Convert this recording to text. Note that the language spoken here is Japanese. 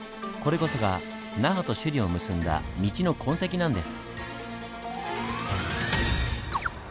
これこそが那覇と首里を結んだ道の痕跡なんです。